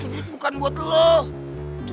duit bukan buat lu